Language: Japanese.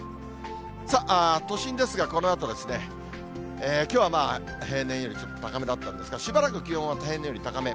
さあ、都心ですが、このあとですね、きょうは平年よりちょっと高めだったんですが、しばらく気温は平年より高め。